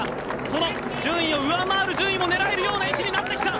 その順位を上回る順位を狙える位置になってきた。